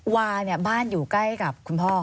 วาเนี่ยบ้านอยู่ใกล้กับคุณพ่อ